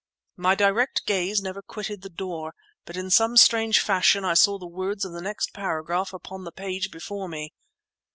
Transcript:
My direct gaze never quitted the door, but in some strange fashion I saw the words of the next paragraph upon the page before me!